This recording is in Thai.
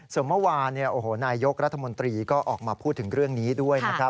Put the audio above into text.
ส่วนเมื่อวานนายยกรัฐมนตรีก็ออกมาพูดถึงเรื่องนี้ด้วยนะครับ